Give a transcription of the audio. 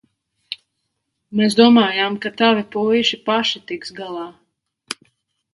Mēs domājām, ka tavi puiši paši tiks galā.